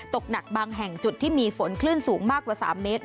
ตกหนักบางแห่งจุดที่มีฝนคลื่นสูงมากกว่า๓เมตร